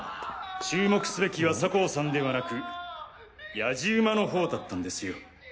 注目すべきは酒匂さんではなく野次馬の方だったんですよ。